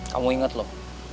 kamu inget loh